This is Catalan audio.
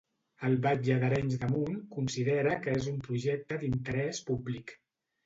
El batlle d'Arenys de Munt considera que és un projecte d'interès públic.